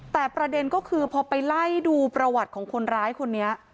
แต่ประเด็นก็คือพอไปไล่ดูประวัติของคนร้ายคนนี้